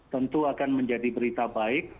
tentu akan menjadi berita baik